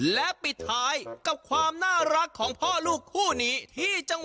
แล้วปิดท้ายกับความน่ารักของพ่อลูกผู้หนีที่จังหวัดเมืองน้อย